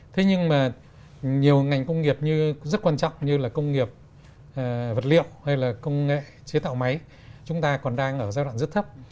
thế nhưng mà nhiều ngành công nghiệp như rất quan trọng như là công nghiệp vật liệu hay là công nghệ chế tạo máy chúng ta còn đang ở giai đoạn rất thấp